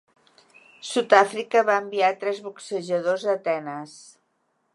Sud-Àfrica va enviar tres boxejadors a Atenes.